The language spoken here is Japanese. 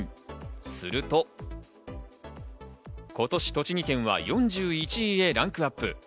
すると今年、栃木県は４１位へランクアップ。